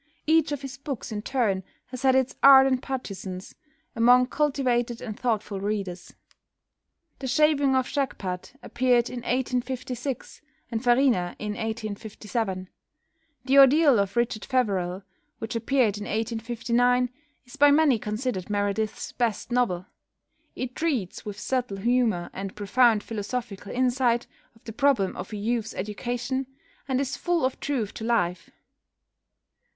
Each of his books in turn has had its ardent partisans among cultivated and thoughtful readers. "The Shaving of Shagpat" appeared in 1856, and "Farina" in 1857. "The Ordeal of Richard Feverel," which appeared in 1859, is by many considered Meredith's best novel. It treats, with subtle humour and profound philosophical insight, of the problem of a youth's education, and is full of truth to life.